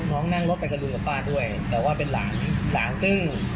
น้องนั่งรถไปกระดูกับป้าด้วยแต่ว่าเป็นหลานหลานซึ่ง